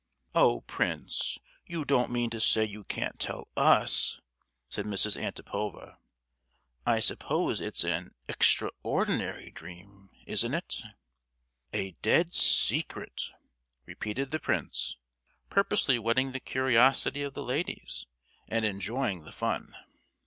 "Oh, Prince, you don't mean to say you can't tell us?" said Mrs. Antipova. "I suppose it's an extraordinary dream, isn't it?" "A dead secret!" repeated the prince, purposely whetting the curiosity of the ladies, and enjoying the fun.